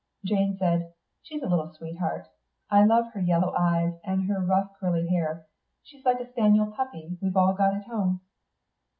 Jane said, "She's a little sweetmeat. I love her yellow eyes and her rough curly hair. She's like a spaniel puppy we've got at home."